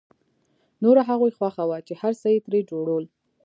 نوره د هغوی خوښه وه چې هر څه یې ترې جوړول